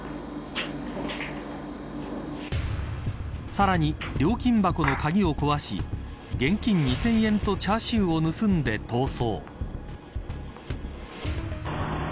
さらに、料金箱の鍵を壊し現金２０００円とチャーシューを盗んで逃走。